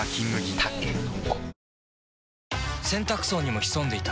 たけのこ洗濯槽にも潜んでいた。